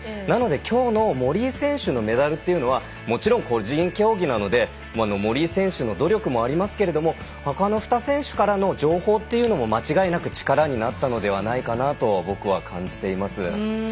なので、きょうの森井選手のメダルというのはもちろん個人競技なので森井選手の努力もありますけれどもほかの、２選手からの情報というのも間違いなく力になったのではないかなと僕は感じています。